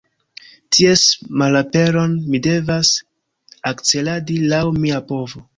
Ties malaperon mi devas akceladi laŭ mia povo.